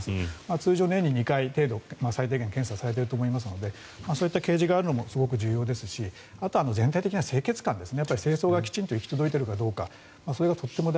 通常、年に２回程度最低限検査されていると思いますのでそういった掲示があるのもすごく大事ですしあとは全体的な清潔感ですね。